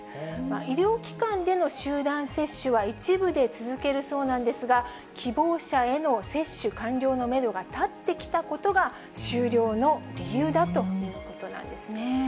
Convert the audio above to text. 医療機関での集団接種は一部で続けるそうなんですが、希望者への接種完了のメドがたってきたことが、終了の理由だということなんですね。